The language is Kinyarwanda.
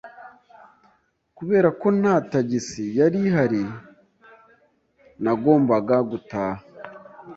Kubera ko nta tagisi yari ihari, nagombaga gutaha.